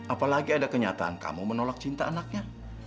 apalagi ada kenyataan kamu menolak cinta anaknya